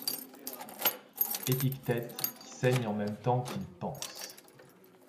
Epictète qui saigne en même temps qu'il pense ?